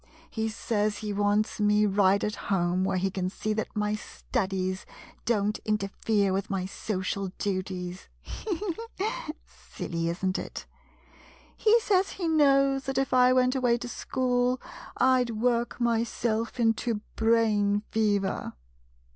He says he wants me right at home, where he can see that my studies don't interfere with my social duties. He — he — he !— silly, is n't it ? He says he knows that if I went away to school — I 'd work myself into brain fever!